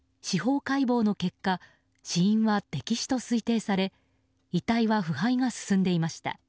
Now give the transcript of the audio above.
司法解剖の結果死因は溺死と推定され遺体は腐敗が進んでいました。